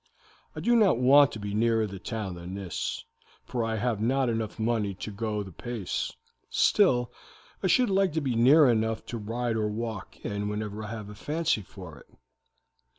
I do not want to be nearer the town than this, for I have not money enough to go the pace; still, I should like to be near enough to ride or walk in whenever I have a fancy for it."